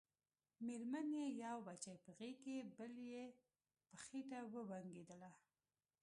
مېرمن يې يو بچی په غېږ کې بل په خېټه وبنګېدله.